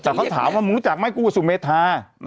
แต่ถามว่าแม่คุณรู้จักกับสุเมทา